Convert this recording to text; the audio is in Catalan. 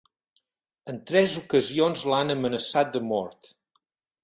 En tres ocasions l'han amenaçat de mort.